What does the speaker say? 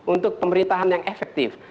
untuk pemerintahan yang efektif